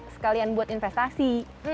sekalian buat investasi